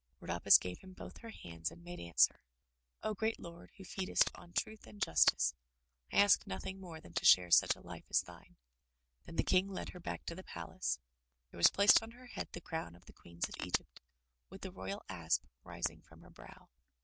Rhodopis gave him both her hands and made answer: "O great Lord, who feedest on Truth and Justice, I ask nothing more than to share such a life as thine/' Then the King led her back to the palace. There was placed on her head the crown of the Queens of Egypt, with the royal asp rising from her brow.